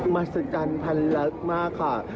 มหัศจรรย์พันลักษณ์มากค่ะ